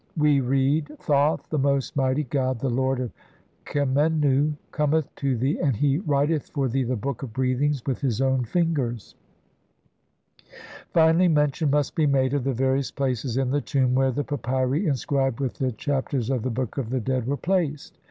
CXCVII) we read, "Thoth, the most mighty god, "the lord of Khemennu, cometh to thee, and he writeth "for thee the Book of Breathings with his own fingers". Finally, mention must be made of the various places in the tomb where the papyri inscribed with the Chap ters of the Book of the Dead were placed.